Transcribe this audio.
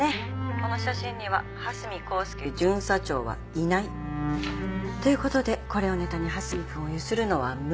この写真には蓮見光輔巡査長はいない。という事でこれをネタに蓮見くんをゆするのは無理。